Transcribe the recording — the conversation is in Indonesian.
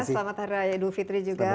selamat hari raya dufitri juga